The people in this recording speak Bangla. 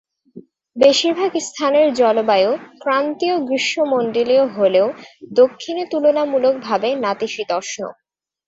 বেশিরভাগ স্থানের জলবায়ু ক্রান্তীয় গ্রীষ্মমন্ডলীয় হলেও দক্ষিণে তুলনামূলকভাবে নাতিশীতোষ্ণ।